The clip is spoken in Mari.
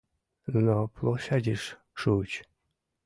Нуно площадьыш шуыч.